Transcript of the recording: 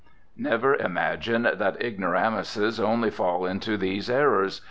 Never imagine that ignoramuses only fall into these errors.